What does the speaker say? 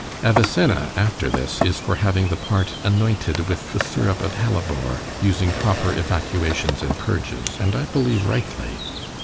Avicenna, after this, is for having the part anointed with the syrup of hellebore, using proper evacuations and purges——and I believe rightly.